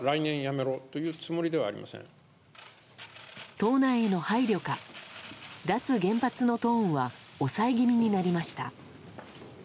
党内への配慮か脱原発のトーンは抑え気味になりました。